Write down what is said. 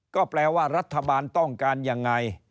ก็แปลว่ารัฐบาลต้องการยังไง